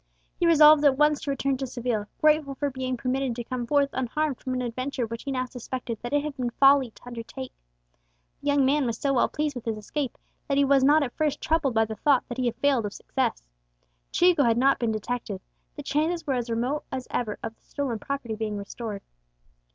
He resolved at once to return to Seville, grateful for being permitted to come forth unharmed from an adventure which he now suspected that it had been folly to undertake. The young man was so well pleased with his escape, that he was not at first troubled by the thought that he had failed of success. Chico had not been detected; the chances were as remote as ever of the stolen property being restored.